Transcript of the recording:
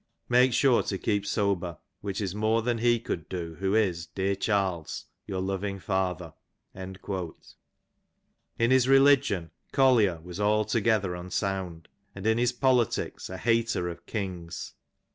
Make sure to keep sober, which is more " than he cou'd do who is, dear Oharles, your loving Father.'^ In his religion Collier was altogether unsound, and in his politics a hater of kings.